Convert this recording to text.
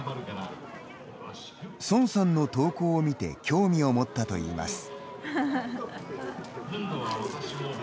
孫さんの投稿を見て興味を持ったといいます。